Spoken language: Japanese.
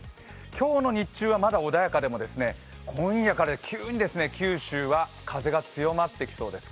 今日の日中はまだ穏やかでも今夜から急に九州は風が強まってきそうです。